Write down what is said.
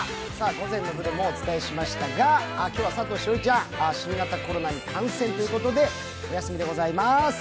午前の部でもお伝えしましたが、今日は佐藤栞里ちゃん新型コロナに感染ということでお休みでございます。